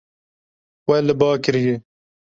We li ba kiriye.